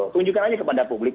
tunjukkan aja kepada publik